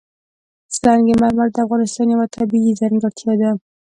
سنگ مرمر د افغانستان یوه طبیعي ځانګړتیا ده.